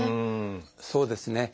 そうですね。